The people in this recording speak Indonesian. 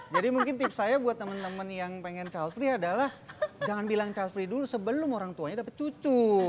jadi mungkin tips saya buat temen temen yang pengen child free adalah jangan bilang child free dulu sebelum orang tuanya dapat cucu